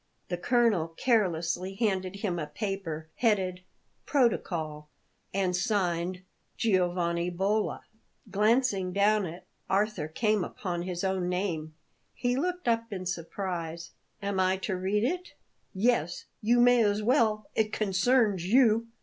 The colonel carelessly handed him a paper headed: "Protocol," and signed: "Giovanni Bolla." Glancing down it Arthur came upon his own name. He looked up in surprise. "Am I to read it?" "Yes, you may as well; it concerns you."